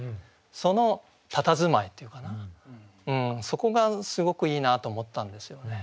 そのたたずまいというかなそこがすごくいいなと思ったんですよね。